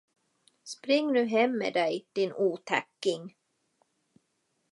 Spring nu hem med dig, din otäcking!